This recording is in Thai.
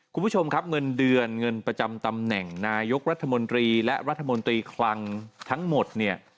คุณผู้ชมครับเงินเดือนเงินประจำตำแหน่งนายกรัฐมนตรีและรัฐมนตรีคลังทั้งหมดเนี่ย